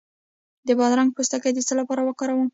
د بادرنګ پوستکی د څه لپاره وکاروم؟